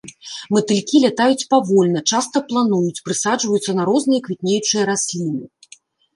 Матылькі лятаюць павольна, часта плануюць, прысаджваюцца на розныя квітнеючыя расліны.